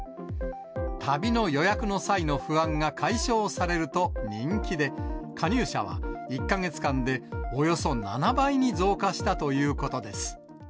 旅の予約の際の不安が解消されると人気で、加入者は１か月間でおよそ７倍に増加したということです。